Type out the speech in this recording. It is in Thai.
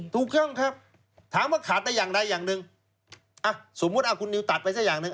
ถูกต้องครับถามว่าขาดได้อย่างใดอย่างหนึ่งอ่ะสมมุติคุณนิวตัดไปซะอย่างหนึ่ง